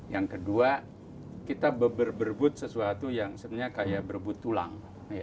yang kedua kita berebut sesuatu yang sebenarnya kayak berebut tulang